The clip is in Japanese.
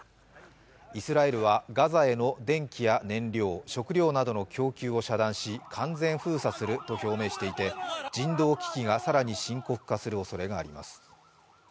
イスラエルはガザへの電気や燃料、食料などの供給を遮断し完全封鎖すると表明していて、人道危機が更に深刻化するおそれがあります。